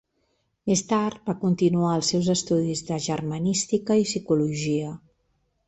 Més tard va continuar els seus estudis de germanística i psicologia.